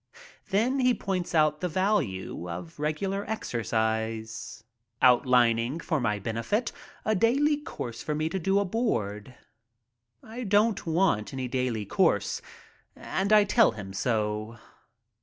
Then he points out the value of regular exercise, outlining for my benefit a daily course for me to do aboard. I don't want any daily course and I tell him so.